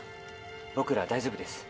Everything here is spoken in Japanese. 僕らは大丈夫です。